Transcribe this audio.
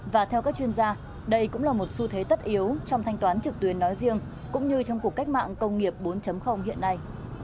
và theo các chuyên gia đây cũng là một xu thế tất yếu trong thanh toán trực tuyến nói riêng cũng như trong cuộc cách mạng công nghiệp bốn hiện nay